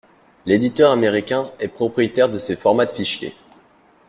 l'éditeur américain est propriétaire de ses formats de fichier.